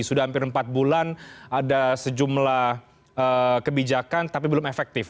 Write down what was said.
sudah hampir empat bulan ada sejumlah kebijakan tapi belum efektif